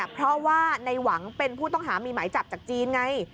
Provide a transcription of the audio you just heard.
เพราะว่าในหวังเป็นผู้ต้องหามีหมายจับจากจีนไง